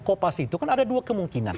kopas itu kan ada dua kemungkinan